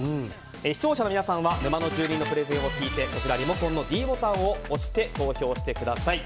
視聴者の皆さんは沼の住人のプレゼンを聞いてリモコンのｄボタンを押して投票してください。